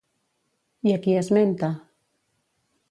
I a qui esmenta?